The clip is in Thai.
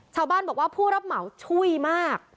ชาวบ้านบอกว่าผู้รับเหมาช่วยมาก